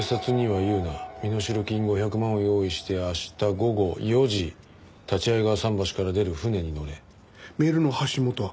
「身代金５００万を用意して明日午後４時、立会川桟橋から出る船に乗れ」メールの発信元は？